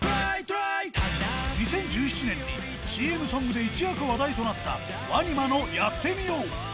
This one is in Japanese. ２０１７年にＣＭソングで一躍話題となった、ＷＡＮＩＭＡのやってみよう。